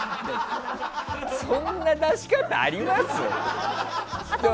そんな出し方あります？